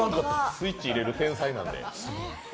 スイッチ入れる天才なんで。